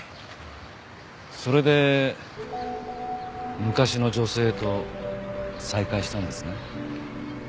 それで昔の女性と再会したんですね？